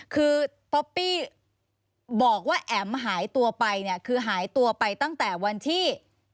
คือป๊อปปี้บอกว่าแอ๋มหายตัวไปเนี่ยคือหายตัวไปตั้งแต่วันที่